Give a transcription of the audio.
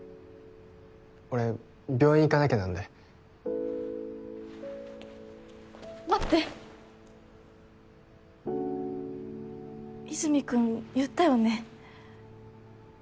俺病院行かなきゃなんで待って和泉君言ったよね？